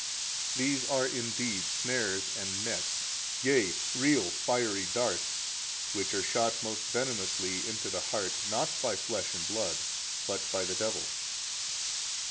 These are indeed snares and nets, yea, real fiery darts which are shot most venomously into the heart, not by flesh and blood, but by the devil.